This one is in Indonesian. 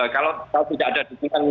kalau tidak ada